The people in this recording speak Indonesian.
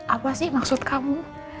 apa sih maksud kamu